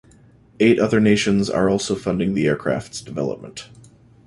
Eight other nations are also funding the aircraft's development.